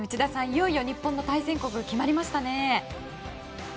いよいよ日本の対戦国決まりましたね。